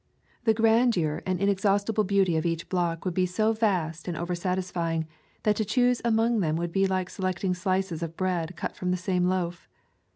The grandeur and in exhaustible beauty of each block would be so vast and over satisfying that to choose among them would be like selecting slices of bread cut from the same loaf.